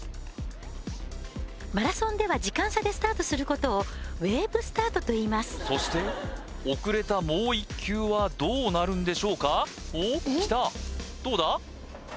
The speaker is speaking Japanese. マラソンでは時間差でスタートすることをウェーブスタートといいますそして遅れたもう一球はどうなるんでしょうかおっきたどうだ？